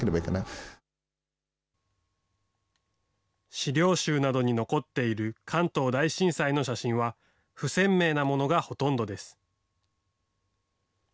資料集などに残っている関東大震災の写真は、不鮮明なものがほとんどです。